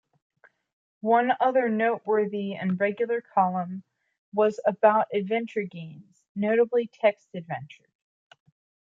One other noteworthy and regular column was about adventure games, notably text adventures.